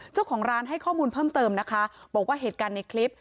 เจ้าของร้านให้ข้อมูลเพิ่มเติมนะคะบอกว่าเหตุการณ์ในคลิป